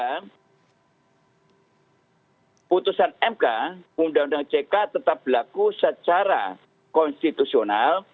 keputusan mk undang undang ck tetap berlaku secara konstitusional